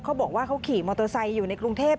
เขาบอกว่าเขาขี่มอเตอร์ไซค์อยู่ในกรุงเทพ